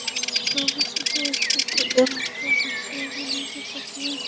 তবু, ছোট্ট একটা খুদে বার্তা পাঠিয়ে জানিয়ে দিতে পারেন, আপনি সভায় আছেন।